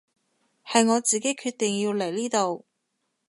係我自己決定要嚟呢度